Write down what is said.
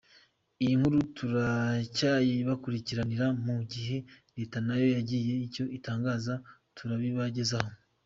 Iyi nkuru turacyayibakurikiranira mu gihe leta nayo yagira icyo itangaza turabibagezaho.